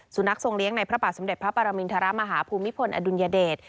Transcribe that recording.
สุนัขทรงเลี้ยงในพระบาทสมเด็จพระปรมินทรมาฮภูมิพลอดุลยเดช